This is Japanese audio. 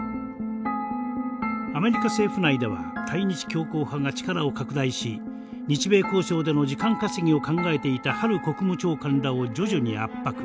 アメリカ政府内では対日強硬派が力を拡大し日米交渉での時間稼ぎを考えていたハル国務長官らを徐々に圧迫。